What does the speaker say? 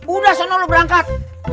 udah sana lo berangkat